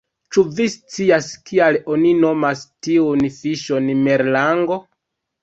Ĉu vi scias kial oni nomas tiun fiŝon merlango?